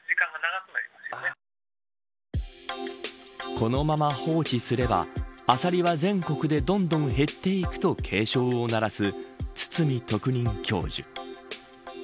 このまま放置すればアサリは全国でどんどん減っていくと警鐘を鳴らす堤特任教授。